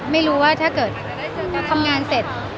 ไม่รู้ว่าถ้าเกิดทำงานเสร็จ